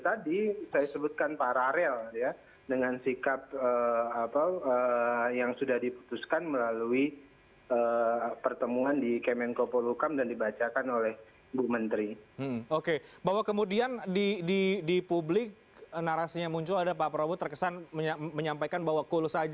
terima kasih pak prabowo